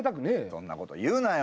そんなこと言うなよ